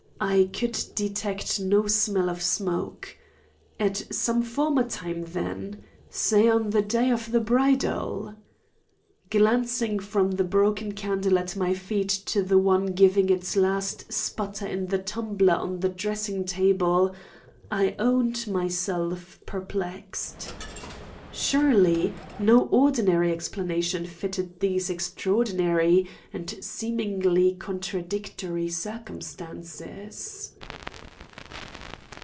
I could detect no smell of smoke. At some former time, then? say on the day of the bridal? Glancing from the broken candle at my feet to the one giving its last sputter in the tumbler on the dressing table, I owned myself perplexed. Surely, no ordinary explanation fitted these extraordinary and seemingly contradictory circumstances.